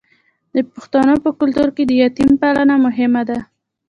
د پښتنو په کلتور کې د یتیم پالنه مهمه ده.